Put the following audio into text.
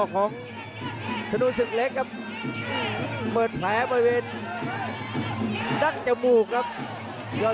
กระโดยสิ้งเล็กนี่ออกกันขาสันเหมือนกันครับ